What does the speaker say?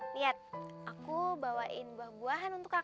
lihat aku bawain buah buahan untuk aku